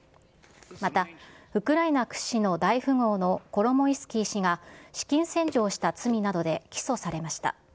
またウクライナ屈指の大富豪のコロモイスキー氏が資金洗浄した罪などで起訴されました。